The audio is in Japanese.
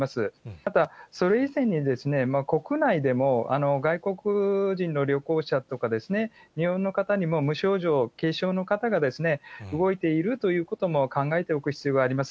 ただ、それ以前に国内でも、外国人の旅行者とか、日本の方にも無症状、軽症の方が動いているということも考えておく必要があります。